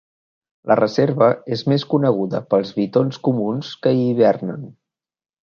La reserva és més coneguda pels bitons comuns que hi hivernen.